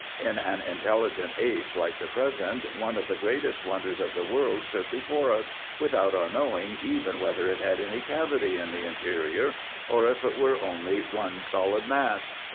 In an intelligent age like the present, one of the greatest wonders of the world stood before us, without our knowing even whether it had any cavity in the interior, or if it were only one solid mass.